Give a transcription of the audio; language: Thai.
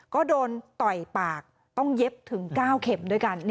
ก็โดนต่อยปากต้องเย็บถึง๙เข็มด้วยกัน